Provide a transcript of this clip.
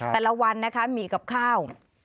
แต่ละวันนะคะมีกับข้าว